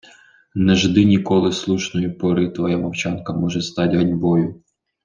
Не жди ніколи слушної пори – твоя мовчанка може стать ганьбою!